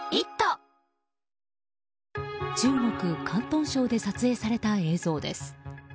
中国・広東省で撮影された映像です。